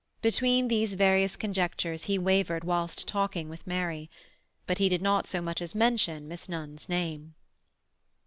Between these various conjectures he wavered whilst talking with Mary. But he did not so much as mention Miss Nunn's name.